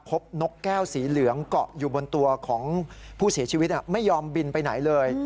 นกแก้วสีเหลืองเกาะอยู่บนตัวของผู้เสียชีวิตไม่ยอมบินไปไหนเลย